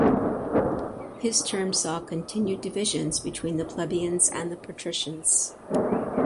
His term saw continued divisions between the plebeians and the patricians.